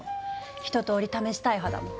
一とおり試したい派だもん。